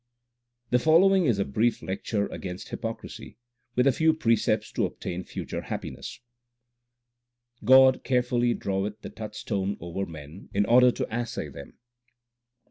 The following is a brief lecture against hypocrisy, with a few precepts to obtain future happiness : God carefully draweth the touchstone over men in order to assay them.